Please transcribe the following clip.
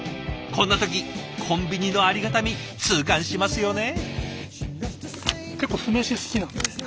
こんな時コンビニのありがたみ痛感しますよね。